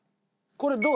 これどう？